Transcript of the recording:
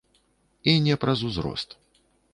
І не праз узрост.